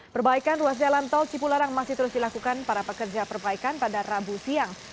perbaikan ruas jalan tol cipularang masih terus dilakukan para pekerja perbaikan pada rabu siang